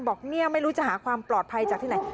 บอกเนี่ยไม่รู้จะหาความปลอดภัยจากที่ไหน